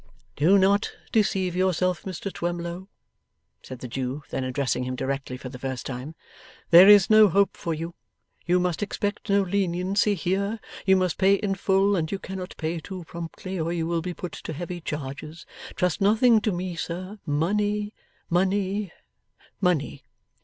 'Do not deceive yourself Mr Twemlow,' said the Jew, then addressing him directly for the first time. 'There is no hope for you. You must expect no leniency here. You must pay in full, and you cannot pay too promptly, or you will be put to heavy charges. Trust nothing to me, sir. Money, money, money.